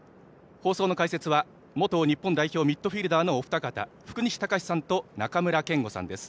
放送の解説は元日本代表ミッドフィールダーのお二方福西崇史さんと中村憲剛さんです。